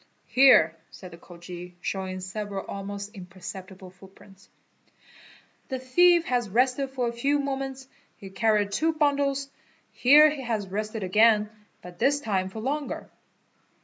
"Here" said the Khoji, showing several almost impercep tible footprints, "the thief has rested for a few moments, he carried two bundles. Here he has rested again, but this time for longer."